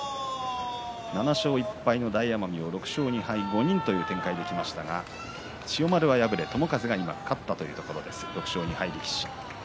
７勝１敗の大奄美６勝２敗５人という展開できましたが千代丸が敗れて友風が勝ったという展開です。